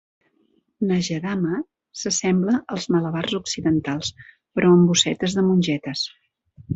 Nagedama s'assembla als malabars occidentals però amb bossetes de mongetes.